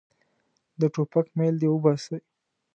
د ټوپک میل دې وباسي.